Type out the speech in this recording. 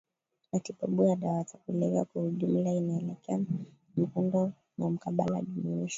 matibabu ya dawa za kulevya kwa ujumla inaelekea mkondo wa mkabala jumuishi